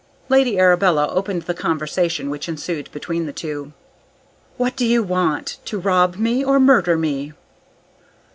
Lady Arabella opened the conversation which ensued between the two. "What do you want? To rob me, or murder me?"